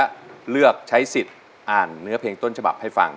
ก็เลือกใช้สิทธิ์อ่านเนื้อเพลงต้นฉบับให้ฟัง